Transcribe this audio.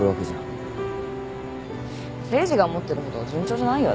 誠治が思ってるほど順調じゃないよ